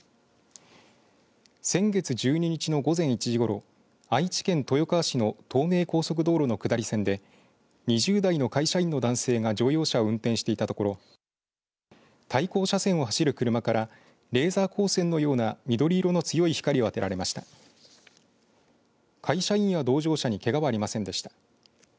先月１２日の午前１時ごろ愛知県豊川市の東名高速道路の下り線で２０代の会社員の男性が乗用車を運転していたところ対向車線を走る車からレーザー光線のような緑色の強い光をあてられました会社員や同乗者にけがはありませんでした。